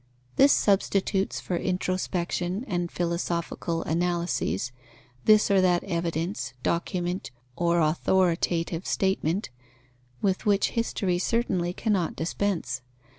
This substitutes for introspection and philosophical analyses, this or that evidence, document, or authoritative statement, with which history certainly cannot dispense.